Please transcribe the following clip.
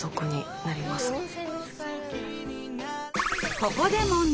ここで問題。